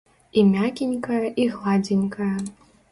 І мякенькае і гладзенькае.